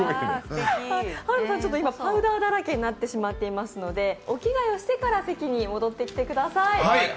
今、パウダーだらけになっていますのでお着替えをしてから席に戻ってきてください。